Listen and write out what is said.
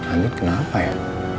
adit kenapa ya